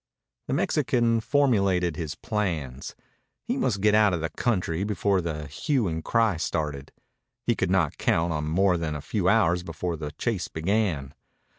The Mexican formulated his plans. He must get out of the country before the hue and cry started. He could not count on more than a few hours before the chase began.